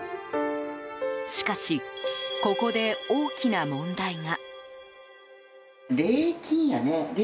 しかし、ここで大きな問題が。